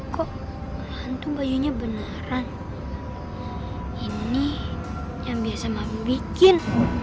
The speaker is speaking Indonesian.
kok hantu bajunya beneran ini yang biasa mami bikin